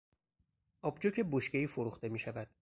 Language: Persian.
آبجو که بشکهای فروخته میشود.